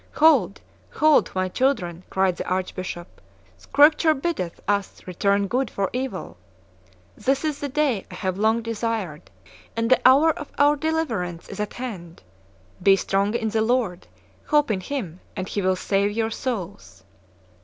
"Hold, hold, my children," cried the arch bishop; "Scripture biddeth us return good for evil. This is the day I have long desired, and the hour of our deliverance is at hand. Be strong in the Lord: hope in Him, and He will save your souls."